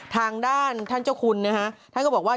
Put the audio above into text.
ทางด้านท่านเจ้าคุณนะฮะท่านก็บอกว่า